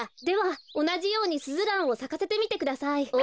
ではおなじようにスズランをさかせてみてください。